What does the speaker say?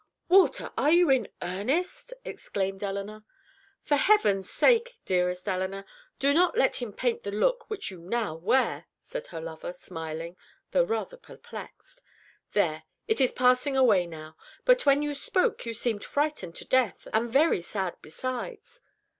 "Walter, are you in earnest?" exclaimed Elinor. "For Heaven's sake, dearest Elinor, do not let him paint the look which you now wear," said her lover, smiling, though rather perplexed. "There: it is passing away now, but when you spoke you seemed frightened to death, and very sad besides.